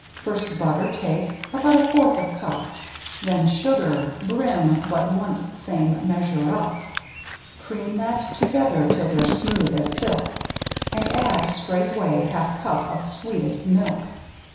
First butter take, about a fourth of cup, Then sugar — brim but once same meas ure up. Cream these together till they're smooth as silk, And add straightway half cup of sweet est milk.